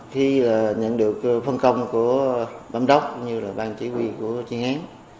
khi nhận được phân công của bám đốc như bàn chỉ huy của chuyên án